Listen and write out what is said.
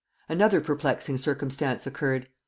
Another perplexing circumstance occurred.